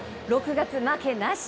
６月負けなし。